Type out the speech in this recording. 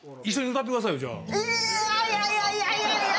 いやいやいやいや！